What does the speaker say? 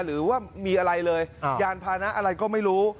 หรือว่ามีอะไรเลยยานพานะอะไรก็ไม่รู้